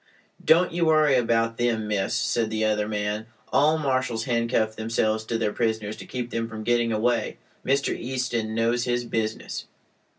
"Don't you worry about them, miss," said the other man. "All marshals handcuff themselves to their prisoners to keep them from getting away. Mr. Easton knows his business."